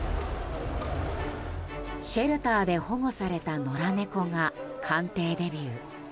シェルターで保護された野良猫が官邸デビュー。